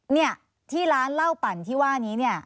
เนี่ยที่ร้านเหล้าปั่นที่ว่านี้เนี่ย